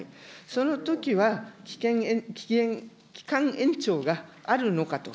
そのときは期間延長があるのかと。